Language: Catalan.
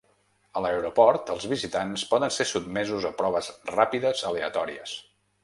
A l’aeroport, els visitants poden ser sotmesos a proves ràpides aleatòries.